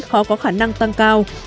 khó có khả năng tăng cao